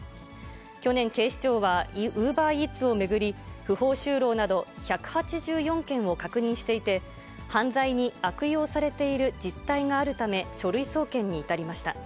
去年、警視庁はウーバーイーツを巡り、不法就労など、１８４件を確認していて、犯罪に悪用されている実態があるため、書類送検に至りました。